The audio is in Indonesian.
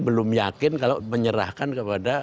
belum yakin kalau menyerahkan kepada